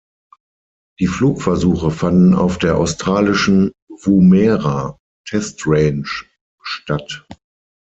Die Flugversuche fanden auf der australischen Woomera Test Range statt.